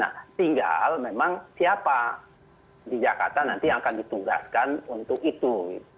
nah tinggal memang siapa di jakarta nanti yang akan ditugaskan untuk itu